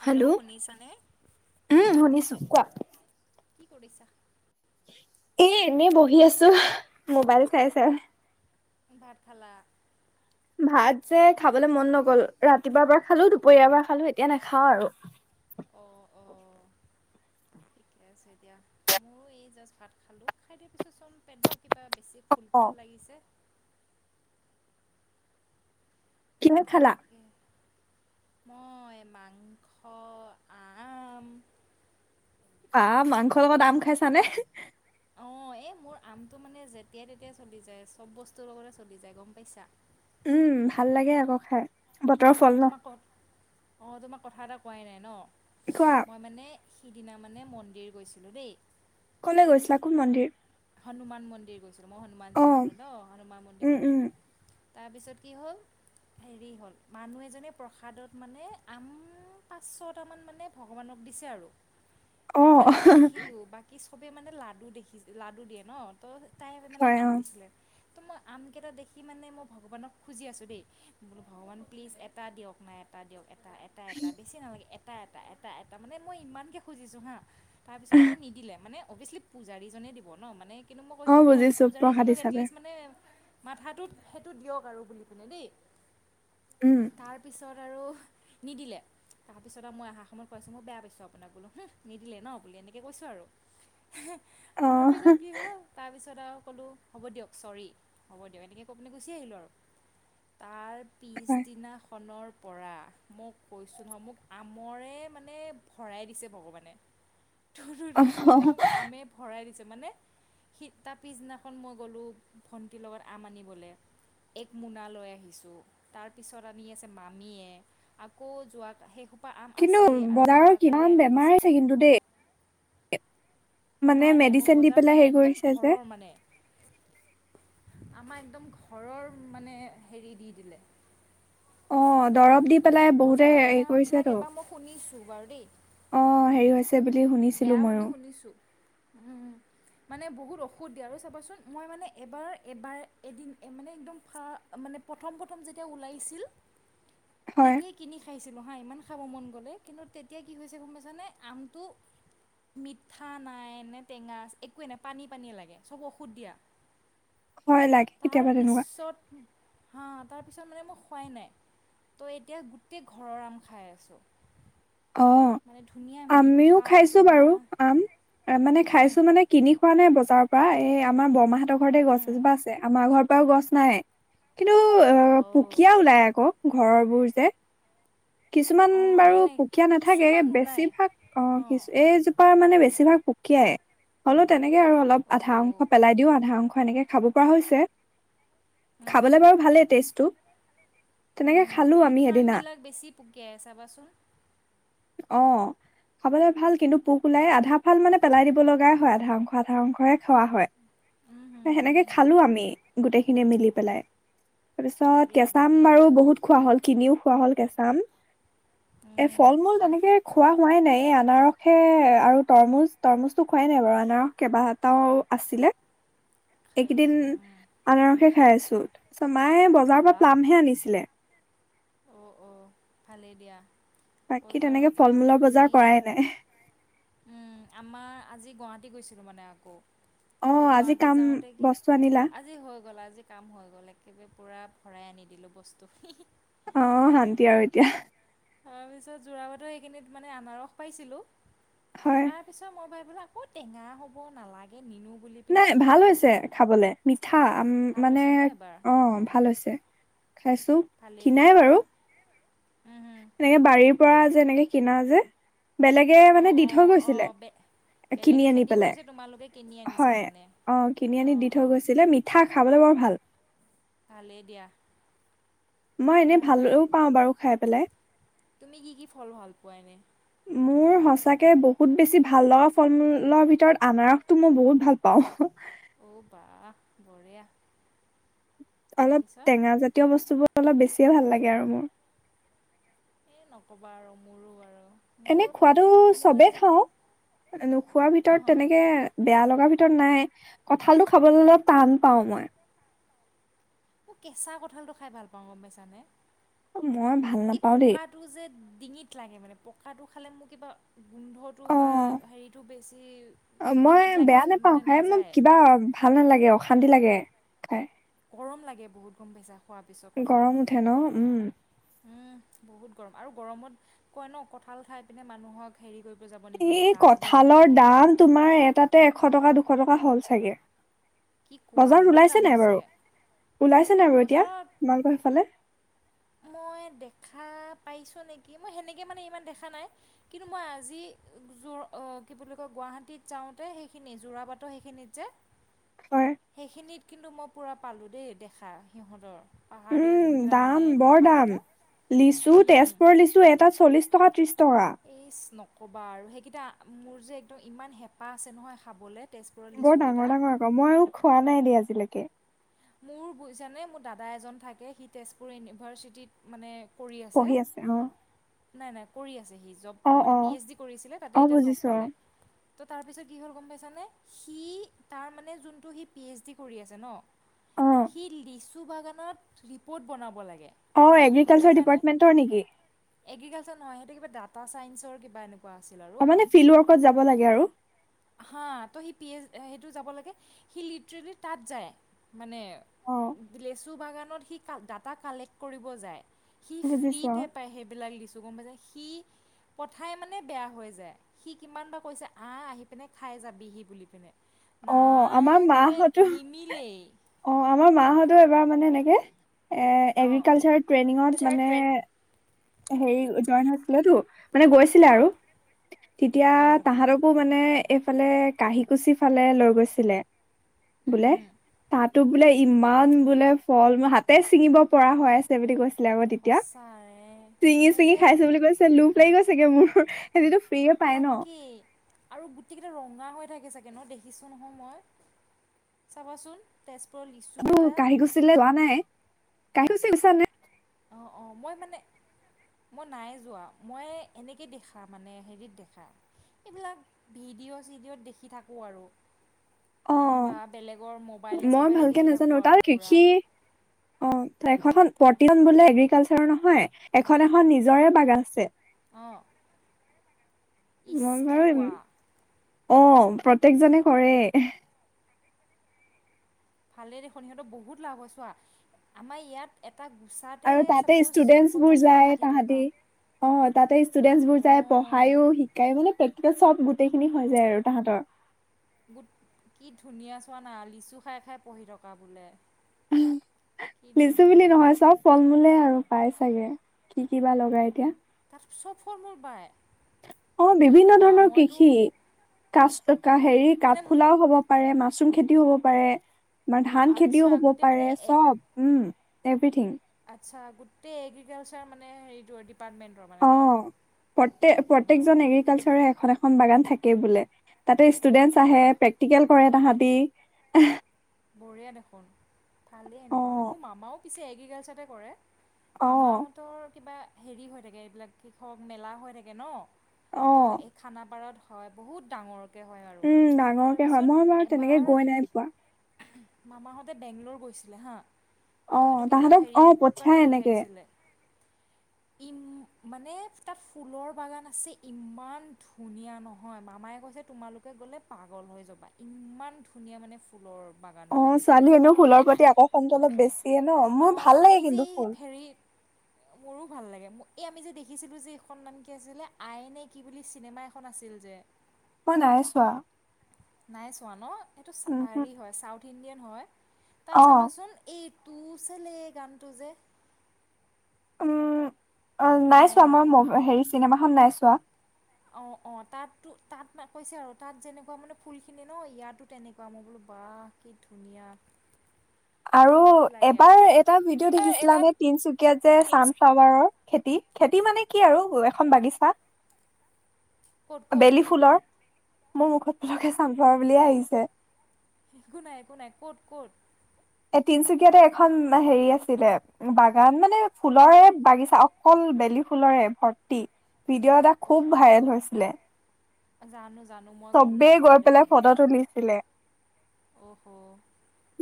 Hello! শুনিছানে? উম, শুনিছোঁ। কোৱা। কি কৰিছা? এ এনেই বহি আছো। মোবাইল চাই চাই। ভাত খালা? ভাত যে খাবলৈ মন নগ'ল। ৰাতিপাৱা এবাৰ খালো, দুপৰীয়াৰ এবাৰ খালো, এতিয়া নাখাওঁ আৰু। অ', অ'। ঠিকে আছে দিয়া। মইয়ো এই জাষ্ট ভাত খালোঁ। খাই দিয়াৰ পিছত চোন পেটটো কিবা বেছি ফুল অ ফুল লাগিছে। কিহে খালা? তাকে মই মাংস, আম। বাহ মাংস লগত আম খাইছানে? অঁ এই মোৰ আমটো মানে যেতিয়াই তেতিয়াই চলি যায় চব বস্তুৰ লগতে চলি যায়, গম পাইছা? উম' ভাল লাগে আক খাই। বতৰৰ ফল ন। তোমাক কওঁ অঁহ তোমাক কথা এটা কোৱাই নাই ন? কোৱা? মই মানে সিদিনা মানে মন্দিৰ গৈছিলোঁ দেই। ক'লে গৈছিলা কোন মন্দিৰ? হনুমান মন্দিৰ গৈছিলোঁ, মই অ হনুমানজীক মানু ন হনুমান মন্দিৰ উম গ'লোঁ। উম তাৰপিছত কি হ'ল? হেৰি হ'ল, মানুহ এজনে প্ৰসাদত মানে আম পাঁচ ছটা মান মানে- ভগৱানক দিছে আৰু। ত অ মই আম দেখিলো, বাকি চবে মানে লাডু দেখি লাডু দিয়ে ন। ত' তাই মানে হয় আম অ দিছিলে। তো মই আমকেইটা দেখি মানে মই ভগৱানক খুজি আছোঁ দেই, বোলো ভগৱান প্লিজ এটা দিয়ক না- টা দিয়ক এটা এটা এটা বেছি নালাগে এটা এটা এটা এটা মানে মই ইমানকে খুজিছোঁ হাঁ, - তাৰপিছত মানে নিদিলে, মানে অ'ভিয়েচলি পূজাৰীজনে দিব ন মানে- কিন্তু মই অ কৈছোঁ যে, ‌ পজ বুজিছো প্ৰসাদ পূজাৰীজনক হিচাপে। এটলিষ্ট মানে- মাথাটোত সেইটো দিয়ক আৰু বুলি কিনে দেই। উম। তাৰপিছত আৰু- নিদিলে। তাপিছত আৰু মই আহা সময়ত কৈ আছো মই বেয়া পাইছোঁ আপোনাক বোলো, হুমহ নিদিলে ন বুলি এনেকে কৈছো আৰু। অ তাৰপিছত কি হ'ল? তাৰপিছত আৰু ক'লোঁ হ'ব দিয়ক চৰি হ'ব দিয়ক এনেকে কৈ পিলে গুচি আহিলোঁ আৰু। তাৰ হয় পিছদিনা খনৰ- পৰা মোক কৈছোঁ নহয়, মোক আমৰে মানে ভৰাই দিছে ভগৱানে। অ কিন্তু মানে মোক আমে ভৰাই দিছে, মানে- সি তাৰ পিছদিনাখন মই গ'লোঁ ভণ্টিৰ লগত আম আনিবলে। এক মোনা লৈ আহিছোঁ, তাৰপিছত আনি আছে মামীয়ে- আকৌ যোৱা সেইসোপা আম কিন্তু আছেই, আৰু বজাৰৰ কিমান যোৱাকালি আনি বেমাৰ দিছে হৈছে কক- কিন্তু দেই। মানে নাই নাই মোৰ মেডিচিন দি বজাৰ কে পেলাই নাই হেৰি একদম কৰিছে যে। ঘৰৰ মানে। আমাৰ একদম ঘৰৰ মানে হেৰি দি দিলে। অঁ দৰৱ দিব- বজাৰৰ কিনামবিলাক এবাৰ মই শুনিছোঁ বাৰু দেই। অ হেৰি হৈছে বুলি শুনিছিলো বেয়া ময়ো বুলি শুনিছো, উম'। মানে বহুত ঔষধ দিয়ে আৰু চাবচোন, মই মানে এবাৰ এবাৰ এদিন মানে একদম ফা- মানে প্ৰথম প্ৰথম যেতিয়া ওলাইছিল, - হয় তেতিয়াই কিনি খাইছিলোঁ হাঁ ইমান খাব মন গ'লে, কিন্তু তেতিয়া কি হৈছে গম পাইছানে? আমটো- মিঠা নাই নে টেঙাচ একোৱে নাই পানী পানীয়ে লাগে, চব ঔষধ দিয়া। হয় লাগে তাৰ কেতিয়াবা তেনেকুৱা পিছত হাঁ তাৰ পিছত মানে মই খোৱাই নাই। ত' এতিয়া গোটেই ঘৰৰ আম খাই আছোঁ। অঁ মানে ধুনীয়া আমিও মিঠা খাইছো টেঙা বাৰু আম মানে উম খাইছো মানে- কিনি খোৱা নাই বজাৰৰ পৰা, এ আমাৰ বৰমাহঁৰ ঘৰতে গছ উম এজোপা আছে আমাৰ ঘৰ পৰাও গছ নাই। কিন্তু অঁ অ'। পুকীয়া ওলাই আক ঘৰৰবোৰ যে। কিছুমান অঁ বাৰু নাই নাই পুকীয়া নাথাকে কিছুমান নোলায় বেছিভাগ অ অঁ কিছু এই জো মানে বেছিভাগ পুকিয়াই হ'লেও তেনেকে আৰু অলপ অহ' আধা অংশ পেলাই দিও, আধা অংশ এনেকে খাব পৰা হৈছে উম খাবলে হুম বাৰু ভালেই টেষ্টটো। তেনেকে খালো আমি সেইদিনা। গেৰ চাবাচোন অ। খাবলৈ ভাল কিন্তু পোোক ওলাই আধা ফাল মানে পেলাই দিব লগগাই হয় আধা অংশ আধা অংশৰে খোৱা হয়। [inaudible] খাবলৈ ভাল কিন্তু পোক ওলাই আধা ফাল মানে পেলাই দিব লগাই হয় আধা অংশ, আধা অংশহে খোৱা হয়। উম হুম হুম সেনেকে হুম খালো আমি গোটেই খিনিয়ে মিলি পেলাই। তাৰপিছত বঢ়িয়া কেঁচা আম বঢ়িয়া বাৰু বহুত খোৱা হল কিনিও খোৱা হ'ল কেঁচা আম। এ উম ফল-মূল তেনেকে। খোৱা হোৱাই নাই এই আনাৰসে আৰু তৰমুজ তৰমুজটো খোৱাই নাই বাৰু আনাৰস কেবাটাও আছিলে। [inaudible] এইকেইদিন খাইছোঁ উম আনাৰসে খাই আছো তাছত মায়ে বজাৰৰ পৰা প্লামহে আনিছিলে। অঁ অঁ ভালেই দিয়া বাকী বজাৰৰ তেনেকে ফল পৰা মূলৰ বজাৰ আমি কৰাই নাই উম আমাৰ আজি গুৱাহাটী গৈছিলো মানে আকৌ। অ ত' আজি গুৱাহাটী কাম যাওঁতে কি বস্তু আনিলা আজি হৈ গ'ল আজি। কাম হৈ গ'ল একেবাৰে পুৰা ভৰাই আনি দিলোঁ বস্তু অ শান্তি আৰু এতিয়া। তাৰপিছত যোৰাবাটৰ সেইখিনিত মানে আনাৰস পাইছিলোঁ হয় তাত তাৰ পিছত মই ভাবিলোঁ আকৌ টেঙা হব, নালাগে নিনু। নাই ভাল হৈছে খাবলে মিঠা ভাল মানে হৈছে ন এবাৰ অ অঁ ভাল হৈছে। খাইছোঁ। ভালেই দি উম এনেকে বাৰীৰ পৰা যে এনেকে কিনা যে বেলেগে অঁ মানে দি অঁ থৈ অঁ গৈছিলে। বে বেলেগে কিনি আনি খেতি পেলাই কৰিছে তোমালোকে কিনি আনিছা হয় মানে অ কিনি আনি অঁ দি থৈ অঁ গৈছিলে মি ঠা খাবলে বৰ ভাল। ভালেই দিয়া। মই এনেই ভালোঁ পাওঁ বাৰু খাই পেলাই। তুমি কি কি ফল ভাল পোৱা এনে। মোৰ সঁচাকে বহুত বেছি ভাল লগা ফল-মূলৰ ভিতৰত আনাৰস তো মই বহুত ভাল পাওঁ। অ বাহ বঢ়িয়া অলপ তাৰপিছত টেঙা জাতীয় বস্তুবোৰ অলপ বেছিয়ে ভাল লাগে আৰু মোৰ। এ নকবা আৰু মোৰো আৰু। মোৰ এনেই খোৱাতটো মই চবে যে খাওঁ নোখোৱাৰ অঁ হ ভিতৰত তেনেকে। বেয়া লগাৰ ভিতৰত নাই কঠালটো খাবলে অলপ টান পাও মই। মই কেচা কঁঠালটো খাই ভাল পাওঁ গম পাইছানে, মই ভাল এই নাপাওঁ দেই পকা টো যে ডিঙিত লাগে মানে পকাটো খালে মোৰ কিবা গোন্ধ টো অ বা হেৰিটো বেছি মই ডিঙিত লাগে বেয়া নোপাওঁ মানে খাই মোক নেযায় কিবা ভাল নালাগে অশান্তি লাগে খাই গৰম লাগে বহুত গম পাইছা খোৱাৰ পিছত গৰম কঁঠালটো উঠে ন উম উম বহুত গৰম আৰু গৰমত কয় ন কঁঠাল খাই পিনে মানুহক হেৰি কৰিব যাব নিদিয়ে এই গা ধুব যাব কঁঠালৰ নিদিয়ে দাম তোমাৰ এটাতে এশ টকা, দুশ টকা হ'ল চাগে কি কোৱা বজাৰত ইমান দাম ওলাইছে নে নাই হৈছে বাৰু ওলাইছে নে নাই বাৰু এতিয়া বজাৰত তোমালোকৰ সেফালে মই দেখা পাইছোঁ নেকি মই সেনেকে মানে ইমান দেখা নাই কিন্তু মই আজি যোৰ অ কি বুলি কয় গুৱাহাটীত যাওঁতে সেইখিনি যোৰাবাটৰ সেইখিনিত যে হয় সেইখিনিত কিন্তু মই পুৰা পালোঁ দেই দেখা সিহঁতৰ পাহাৰীয়া উম যোনকেইটা দাম মানে বৰ দাম কঁঠালকেইটা লিচু উম তেছপুৰৰ লিচু এটাত চল্লিশ টকা ত্ৰিশ টকা এইচ নক'বা আৰু সেইকেইটা মোৰ যে একদম ইমান হেঁপাহ আছে নহয় খাবলে বৰ ডাঙৰ ডাঙৰ আকৌ মইও খোৱা নাই দেই আজিলৈকে মোৰ বুজিচানে মোৰ দাদা এজন থাকে সি তেজপুৰ ইউনিভাৰচিটিত মানে কৰি আছে পঢ়ি অ নাই নাই কৰি আছে সি জব অ মানে অ পি এইচ ডি কৰিছিলে অ তাতে এতিয়া জব বুজিছো পালে ত' তাৰপিছত কি হ'ল গম পাইছানে সি তাৰ মানে যোনটো সি পি এইচ ডি কৰি আছে ন অ অ সি লিছ চু বাগানত ৰিপ'ৰ্ট বনাব লাগে অ গম এগ্ৰিকালচাৰ পাইছানে ডিপাৰ্টমেন্টৰ নেকি এগ্ৰিকালচাৰ নহয় সেইটো কিবা ডাটা ছাইন্সৰ কিবা এনেকুৱা আছিল অ আৰু মানে ফিল্ড ৱৰ্কত যাব লাগে আৰু হাঁ তো সি পি এইচ সেইটো যাব লাগে সি লিটাৰেলি তাত যায় মানে অ লেচু বাগানত সি কা ডাটা কালেক্ট কৰিব যায় সি বুজিছো ফ্ৰীতে পায় সেইবিলাক লিচু গম পাইছা সি পথাই মানে বেয়া হৈ যায় সি কিমান বাৰ কৈছে আহ আহি পিনে খাই যাবি সি বুলি পিনে অ নাই মানে নিমিলেই অহ আমাৰ মাহঁতও এবাৰ মানে এনেকে এ অঁ এগ্ৰিকালচাৰ ট্ৰেইনিঙত মানে হেৰি জইন হৈছিলেটো মানে গৈছিলে‌ আৰু অঁ তেতিয়া অঁ তাহতকো মানে এইফালে কাহিকুচি ফালে লৈ গৈছিলে উম বোলে হুম তাত টো বোলে ইমান বোলে ফল হাতে চিঙিব পৰা হয়ছ চে বুলি কৈছিলে আকৌ তেতিয়া সঁচাৰে চিঙি মই চিঙি যে খাইছো বুলি কৈছে লোপ লাগি গৈ চেগে মোৰ হেটিটো ফ্ৰী অত তাকেই আৰু গোটেইকেইটা ৰঙা হৈ থাকে চাগে ন দেখিছোঁ নহয় মই চাবাচোন তেজপুৰ লিচ অহ কাঢ়ি গুছি [unintelligible] লে যোৱা নাই কি গুছা ন অ অ মই মানে মই নাই যোৱা মই এনেকে দেখা মানে হেৰিত দেখা এইবিলাক ভিডিঅ' চিডিঅ'ত দেখি থাকোঁ আৰু অ বা বেলেগৰ মোবাইলে মই চবাইলে ভালকে দেখি থাকোঁ আৰু পূৰা অহ একোখন প্ৰতিখন বোলে এগ্ৰিকালচাৰ নহয় এখন এখন নিজৰে বাগান আছে অ মই কি বাৰু কোৱা অহ প্ৰত্যয়েকজনে কৰে ভালে দেখোন সিহঁতৰ বহুত লাভ হয় চোৱা আমাৰ ইয়াত এটা গুছাতে আৰু তাতে ষ্টুডেন্টচ ছাপ'ছ বোৰ পঞ্চাছ টকা যায় ষাঠি টকা। তাহাঁতি অ তাতে ষ্টুডেন্টছ বোৰ যায় প। অঁ খায়ো শিকায়ো মানে প্ৰেক্টিতিকেল চব গোটেই খিনি হৈ যায় আৰু তাহাঁতৰ। গোট কি ধুনীয়া চোৱা না লিচু খাই খাই পঢ়ি থকা বোলে। কি লিচু বুলি ধুনীয়া নহয় চব। ফল- মূলে আৰু পায় চাগে। কি কি বা লগাই এতিয়া। তাত চব ফল- মূল পায়। অঁ, কি বিভিন্ন কোৱা ধৰণৰ মইতো কৃষি,। মোক কাচকা হেৰি মানে মো কাঠফুলাও হ'ব- পাৰে, মাছৰুম খেতিও হ'ব পাৰে, আমাৰ ধান আচ্ছা খেতিও হ'ব গোটেই মানে পাৰে এ চব। Um, everything. আচ্ছা গোটেই এগ্ৰিকালচাৰ মানে হেৰিটো ডিপাৰ্টমেণ্টৰ মানে ন। প্ৰত্যক -প্ৰত্যকজন অ', এগ্ৰিকালচাৰ এখন এখন বাগান থাকে বোলে। তাতে ষ্টুডেন্টছ আহে, বাহ - প্ৰেক্টিকেল কৰে তাহাঁতি। বঢ়িয়া দেখোন ভালেই এনেকুৱা হ'লে। অ মোৰ মামাও পিছে এগ্ৰিকালচাৰতে কৰে। অ মামাহঁতৰ কিবা হেৰি হৈ থাকে, এইবিলাক কৃষক মেলা হৈ থাকে ন। অ ত' এই খানাপাৰত হয় বহুত ডাঙৰ- কে হয় আৰু উম ডাঙৰকে হয় মই বাৰু তাৰপিছত তেনেকে এবাৰ - গৈ নাই পোৱা মামাহঁতে বেংগলোৰ গৈছিলে হাঁ। অ তই, সেইটো কিবা তাহাঁতক হেৰি অ কাৰণে পঠিয়াই এনেকে পঠিয়াইছিলে। ইম মানে তাত ফুলৰ বাগান আছে ইমান ধুনীয়া নহয় মামায় কৈছে- তোমালোকে গ'লে পাগল হৈ যাবা। ইমান ধুনীয়া মানে ফুলৰ- বাগান অ বুলি কৈছে ছোৱালী এনেও ফুলৰ মানে আ প্ৰতি আকৰ্ষণটো অলপ বেছিয়ে ন মোৰ অঁ, ভাল লাগে আমি যে কিন্তু ফুল হেৰিত - মোৰো ভাল লাগে। এই আমি যে দেখিছিলো যে এইখন নাম কি আছিলে? আই নে কি বুলি চিনেমা এখন আছিল যে। মই নাই চোৱা নাই চোৱা ন! এইটো উমহু চা-হাৰি হয়- চাউথ ইণ্ডিয়ান হয়। তাত অ চাবাচোন এই তো চলে গানটো যে। অঁ, নাই চোৱা, মই হেৰি চিনেমাখন নাই চোৱা। অঁ, অঁ তাতো তাত কৈছে আৰু তাত যেনেকুৱা মানে ফুলখিনি ন ইয়াতো তেনেকুৱা, মই বোলো বাহ- কি ধুনীয়া! আৰু কি লাগে এবাৰ আৰু। এটা ভিডিঅ' এটা দেখিছিলানে? তিনচুকীয়াত যে চান ফ্লা- ৱাৰৰ খেতি। খেতি মানে কি আৰু এখন বাগিচা। ক'ত ক'ত বেলি ফুলৰ, মোৰ মুখত পটককে চানফ্লাৱাৰ বুলিয়ে আহিছে। একো নাই, একো নাই, ক'ত -ক'ত? এ তিনচুকীয়াতে এখন হেৰি আছিলে। বাগান মানে ফুলৰে বাগিচা অকল বেলি ফুলৰে ভৰ্তি। ভিডিঅ' এটা খুব অ', ভাইৰেল হৈছিলে। জানো জানো মই। গম চবেই নাপাওঁ গৈ পেলাই দেখোন ফটো তুলিছিলে। অহ'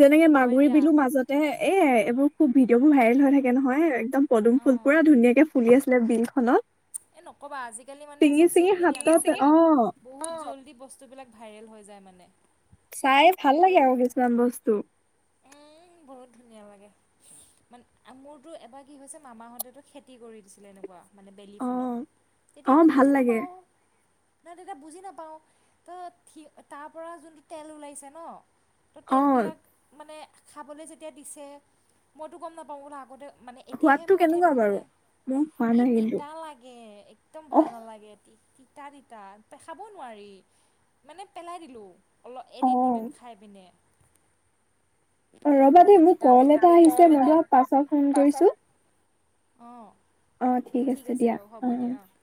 যেনেকে হয় মাগুৰী দিয়া বিলুৰ মাজত- এ -এ এইবোৰ খুব ভিডিঅ' বোৰ ভাইৰেল হৈ থাকে নহয়, একদম পদুম ফুল অ', পুৰা ধুনীয়াকে- ফুলি আছিলে বিলখনত। এই নক'বা আজিকালি মানে ছিঙি ছিঙি চ'চিয়েল হাতত অ মিডিয়া- বহুত জল্দি বস্তুবিলাক ভাইৰেল হৈ যায় মানে। চাই ভাল লাগে আৰু কিছুমান বস্তু। উম, বহুত ধুনীয়া লাগে। মানে মোৰতো এবাৰ কি হৈছে মামাহঁতেতো খেতি কৰি দিছিলে এনেকুৱা- মানে বেলি অ ফুলৰ অ তেতিয়া একো ভাল বুজি লাগে নাপাওঁ- নাই তেতিয়া বুজি নাপাওঁ তো থি তাৰপৰা যোনটো তেল ওলাইছে- তো অ তেলবিলাক মানে খাবলৈ যেতিয়া দিছে মইতো গম নাপাওঁ ন আগতে মানে- এতিয়াহে সোৱাদটো মোৰ কেনেকুৱা সেইটো বাৰু মানে। মই খোৱা এই নাই কিন্তু তিতা লাগে একদম ভাল নালাগে এটি- তিতা- তিতা খাব নোৱাৰি মানে পেলাই দিলোঁ। অলপ অহ এদিন অ দুদিন খাই পিনে। অ, তিতা ৰ'বা [inaudible] দেই বহুত মোৰ তিতা কল এটা বেলেগ আৰু আহিছে কল মই এটা তোমাক পাছত ফোন তাৰ কৰিছো পিছত। [inaudible] অ অঁ ঠিক আছে দিয়া বাৰু হ'ব অ অ দিয়া অঁ।